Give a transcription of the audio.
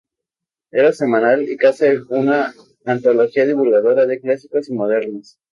Era semanal y casi una antología divulgadora de clásicos y modernos.